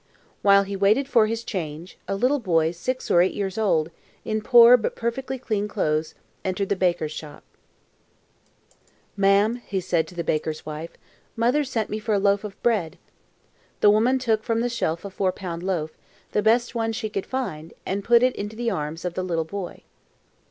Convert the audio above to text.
While he waited for his change, a little boy six or eight years old, in poor but perfectly clean clothes, entered the baker's shop. [Illustration: UNIVERSITY OF TORONTO] "Ma'am," said he to the baker's wife, "Mother sent me for a loaf of bread." The woman took from the shelf a four pound loaf, the best one she could find, and put it into the arms of the little boy.